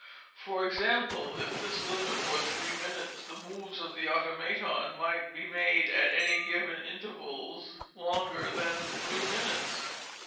For example, if this limit were three minutes, the moves of the Automaton might be made at any given intervals longer than three minutes.